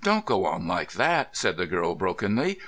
] "Oh, don't go on like that!" said the girl brokenly.